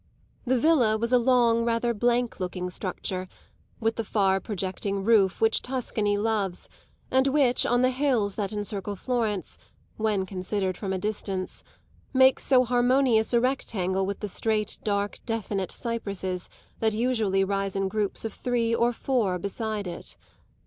The villa was a long, rather blank looking structure, with the far projecting roof which Tuscany loves and which, on the hills that encircle Florence, when considered from a distance, makes so harmonious a rectangle with the straight, dark, definite cypresses that usually rise in groups of three or four beside it.